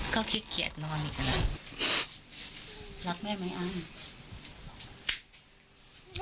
ก็ขี้เกียจนอนอีกแล้วรักแม่ไหมอั้น